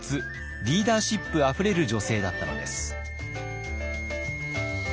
リーダーシップあふれる女性だったのです。